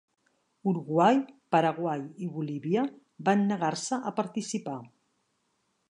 Uruguai, Paraguai i Bolívia van negar-se a participar.